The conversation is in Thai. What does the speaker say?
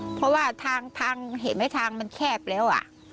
เพราะว่าทางเห็นไหมทางมันแคบแล้ว